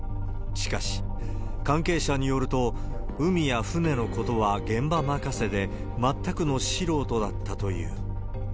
しかし、関係者によると海や船のことは現場任せで、全くの素人だったという。